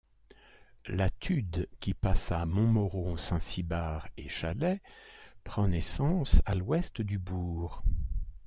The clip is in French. La Tude qui passe à Montmoreau-Saint-Cybard et Chalais prend naissance à l'ouest du bourg.